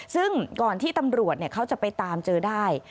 ซึ่งก่อนที่ตำรวจเขาจะไปตามเจอได้